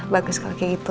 bagus kalau kayak gitu